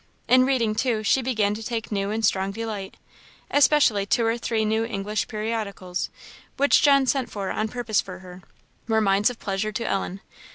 In reading, too, she began to take new and strong delight. Especially two or three new English periodicals, which John sent for on purpose for her, were mines of pleasure to Ellen.